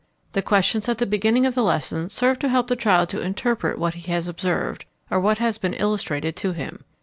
The questions at the beginning of the lesson serve to help the child to interpret what he has observed, or what has been illustrated to him.